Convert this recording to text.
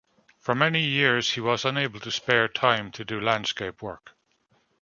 For many years he was unable to spare time to do landscape work.